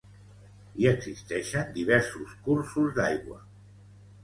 Hi existeixen diversos cursos d'aigua.